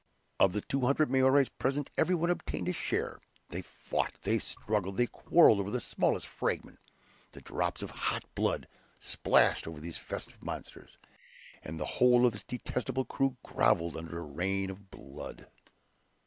Of the two hundred Maories present everyone obtained a share. They fought, they struggled, they quarreled over the smallest fragment. The drops of hot blood splashed over these festive monsters, and the whole of this detestable crew groveled under a rain of blood.